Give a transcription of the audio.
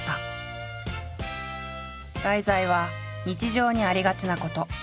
題材は日常にありがちなこと。